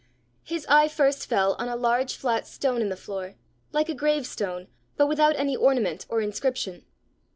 His eye first fell on a large flat stone in the floor, like a gravestone, but without any ornament or inscription.